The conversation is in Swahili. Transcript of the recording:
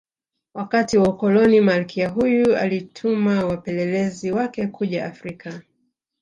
Wakati wa Ukoloni Malkia huyu alituma wapelelezi wake kuja Afrika